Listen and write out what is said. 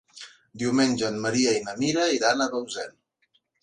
Diumenge en Maria i na Mira iran a Bausen.